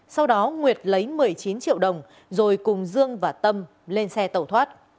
sau đó nguyệt lấy một mươi chín triệu đồng rồi cùng dương và tâm lên xe tẩu thoát